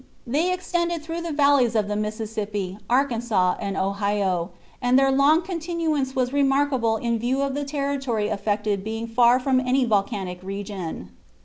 They extended through the valleys of the Mississippi, Arkansas and Ohio, and their long continuance was remarkable in view of the territory affected being far from any volcanic region.